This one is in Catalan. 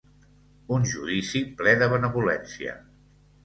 Un judici ple de benevolència.